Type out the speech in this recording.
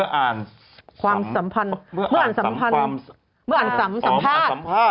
เอาแมงความสัมพันธ์